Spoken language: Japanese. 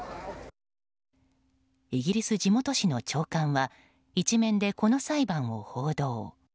イギリス地元紙の朝刊は１面で、この裁判を報道。